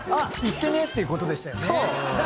いっけねえ！ってことでしたよね。